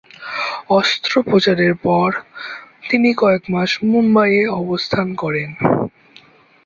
অস্ত্রোপচারের পর তিনি কয়েক মাস মুম্বাইয়ে অবস্থান করেন।